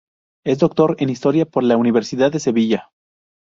Es doctor en Historia por la Universidad de Sevilla.